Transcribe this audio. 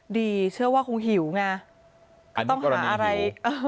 เชื่อว่าคงหิวไงก็ต้องหาอะไร